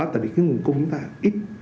tại vì nguồn cung chúng ta ít